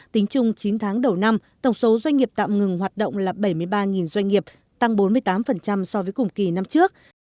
tính chung chín tháng đầu năm tổng số doanh nghiệp tạm ngừng hoạt động là bảy mươi ba doanh nghiệp tăng bốn mươi tám so với cùng kỳ năm trước